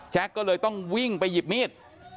ก็เลยต้องวิ่งไปหยิบมีด